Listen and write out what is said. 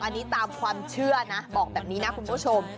อันนี้ตามความเชื่อนะบอกแบบนี้นะคุณผู้ชม